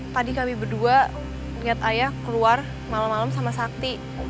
tadi kami berdua niat ayah keluar malam malam sama sakti